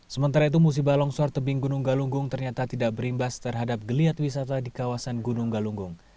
sementara itu musibah longsor tebing gunung galunggung ternyata tidak berimbas terhadap geliat wisata di kawasan gunung galunggung